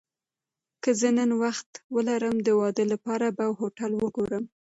که زه نن وخت ولرم، د واده لپاره به هوټل وګورم.